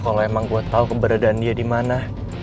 kalo emang gue tau keberadaan dia dimana